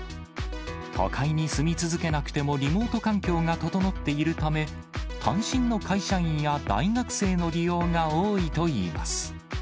都会に住み続けなくても、リモート環境が整っているため、単身の会社員や大学生の利用が多いといいます。